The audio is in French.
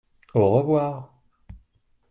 Au revoir !